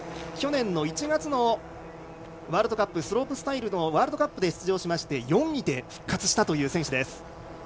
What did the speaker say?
去年の１月のスロープスタイルのワールドカップに出場しまして４位で復活したという選手です。